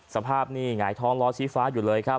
สภาพนี่หงายท้องล้อชี้ฟ้าอยู่เลยครับ